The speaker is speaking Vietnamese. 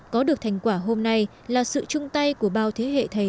có được thành quả hôm nay là sự chung tay của bao thế hệ thầy